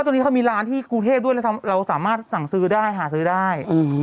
ตอนนี้เขามีร้านที่กรุงเทพด้วยแล้วเราสามารถสั่งซื้อได้หาซื้อได้